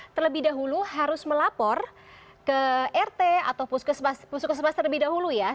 terlebih dahulu harus melapor ke rt atau puskesmas terlebih dahulu ya